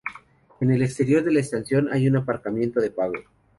En el exterior de la estación hay un aparcamiento de pago.